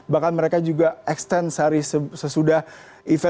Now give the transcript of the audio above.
bahkan mereka juga extend sehari sesudah event